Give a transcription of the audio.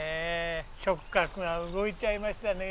触角が動いちゃいましたね。